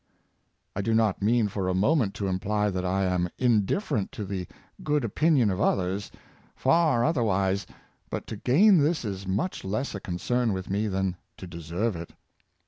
^*"^ I do not mean for a moment to imply that I am indifferent to the good opinion of others — far otherwise; but to gain this is much less a concern with me than to de serve it.